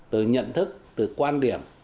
từ nhận thức từ quan điểm